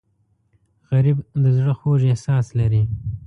غریب د زړه خوږ احساس لري